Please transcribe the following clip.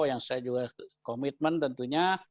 yang saya juga komitmen tentunya